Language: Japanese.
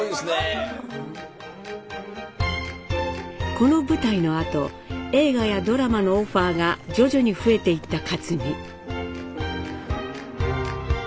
この舞台のあと映画やドラマのオファーが徐々に増えていった克実。